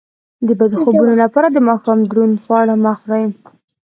د بد خوبونو لپاره د ماښام دروند خواړه مه خورئ